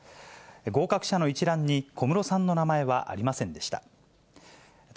合格者の一覧に小室さんの名前はありませんでした。